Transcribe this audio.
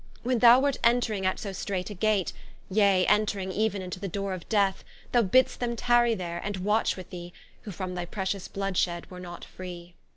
When thou wert entring at so straite a gate, Yea entring euen into the doore of Death, Thou bidst them tarry there, and watch with thee, Who from thy pretious blood shed were not free.